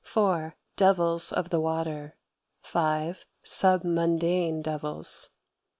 Devils of the water. (5.) Submundane devils.